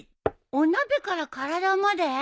お鍋から体まで？